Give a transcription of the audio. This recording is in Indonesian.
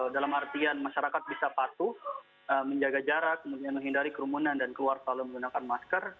dalam artian masyarakat bisa patuh menjaga jarak kemudian menghindari kerumunan dan keluar selalu menggunakan masker